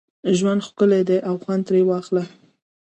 ژوند ښکلی دی او خوند ترې واخله